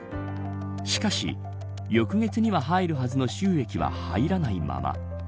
しかし、翌月には入るはずの収益は入らないまま。